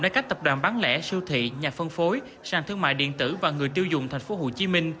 để các tập đoàn bán lẻ siêu thị nhà phân phối sản thương mại điện tử và người tiêu dùng tp hcm